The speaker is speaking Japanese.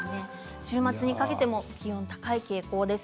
週末にかけても気温が高い傾向です。